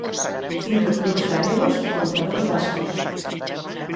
Cinco clubs galegos contra dous vascos.